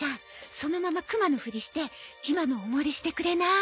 そのままクマのフリしてひまのお守りしてくれない？